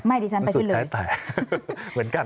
ไม่ดิฉันไปขึ้นเลยมันสุดแท้เหมือนกัน